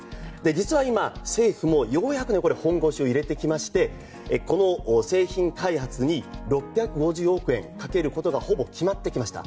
実は今、政府もようやく本腰を入れてきましてこの製品開発に６５０億円をかけることがほぼ決まってきました。